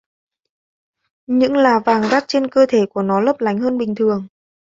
những là vàng rắt trên cơ thể của nó lấp lánh hơn bình thường